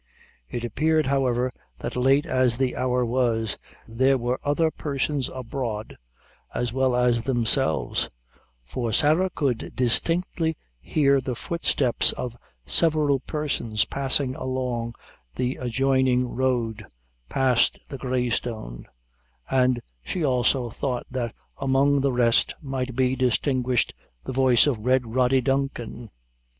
It appeared, however, that late as the hour was, there were other persons abroad as well as themselves, for Sarah could distinctly hear the footsteps of several persons passing along the adjoining road, past the Grey Stone, and she also thought that among the rest might be distinguished the voice of Red Rody Duncan.